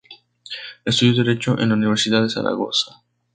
Estudió Derecho en la Universidad de Zaragoza.